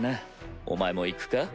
お前も行くか？